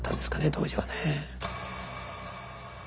当時はね。